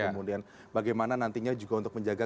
kemudian bagaimana nantinya juga untuk menjaga